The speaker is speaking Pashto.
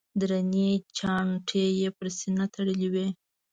درنې چانټې یې پر سینه تړلې وې.